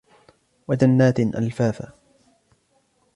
وجنات ألفافا